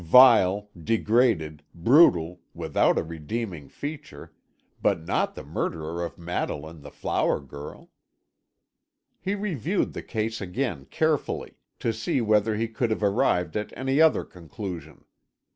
Vile, degraded, brutal, without a redeeming feature but not the murderer of Madeline the flower girl. He reviewed the case again carefully, to see whether he could have arrived at any other conclusion.